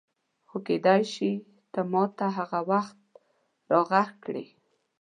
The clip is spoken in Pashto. خو کېدای شي ته ما ته هغه وخت راغږ کړې.